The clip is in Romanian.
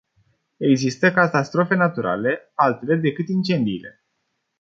Există catastrofe naturale, altele decât incendiile.